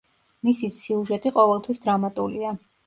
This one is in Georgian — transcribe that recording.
მისი სიუჟეტი ყოველთვის დრამატულია.